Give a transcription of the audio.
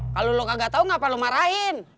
kalau lo kagak tau kenapa lo marahin